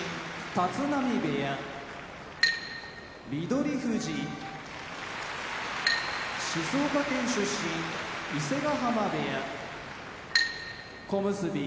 立浪部屋翠富士静岡県出身伊勢ヶ濱部屋小結・霧